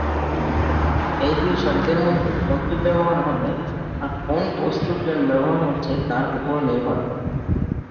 এই দুই শব্দের মধ্যে কোনটি ব্যবহার হবে তা কোন বস্তুর জন্য ব্যবহার হচ্ছে তার উপরও নির্ভর করে।